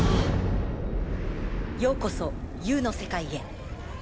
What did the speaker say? ようこそ、Ｕの世界へ。